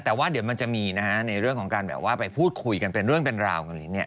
แต่ว่าเดี๋ยวมันจะมีในเรื่องของการไปพูดคุยกันเป็นเรื่องเป็นราว